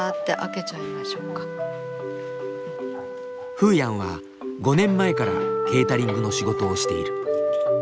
フーヤンは５年前からケータリングの仕事をしている。